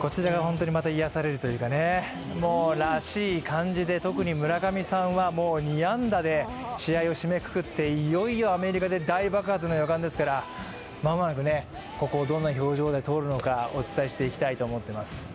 こちらが本当に癒やされるというかね、らしい感じで、特に村上さんは２安打で試合を締めくくっていよいよアメリカで大爆発の予感ですから、間もなくここをどんな表情で通るのかお伝えしていきたいと思います。